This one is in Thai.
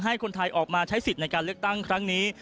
ให้คนไทยออกมาใช้สิทธิ์ในการเลือกตั้งครั้งนี้